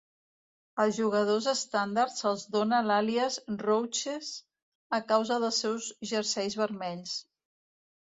Als jugadors estàndard se'ls dona l'àlies "Rouches" a causa dels seus jerseis vermells.